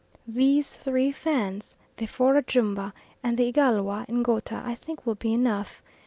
These three Fans, the four Ajumba and the Igalwa, Ngouta, I think will be enough.